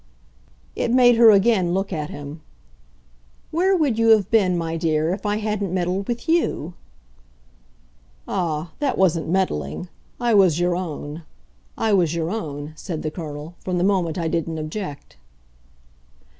It made her again look at him. "Where would you have been, my dear, if I hadn't meddled with YOU?" "Ah, that wasn't meddling I was your own. I was your own," said the Colonel, "from the moment I didn't object."